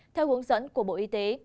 theo hướng dẫn của bộ y tế